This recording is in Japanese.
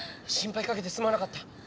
心配かけてすまなかった。